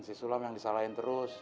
sisi sulam yang disalahin terus